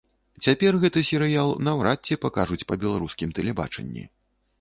Цяпер гэты серыял наўрад ці пакажуць па беларускім тэлебачанні.